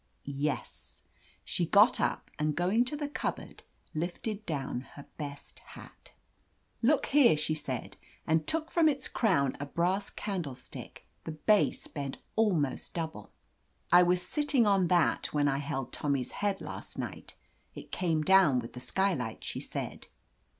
"Yes." She got up and, going to the cup board, lifted down her best hat. *T ook here!" she said, and took from its crown a brass candlestick, the base bent almost double. "I was sitting on that when I held Tommy's head last night. It came down with the sky light," she said.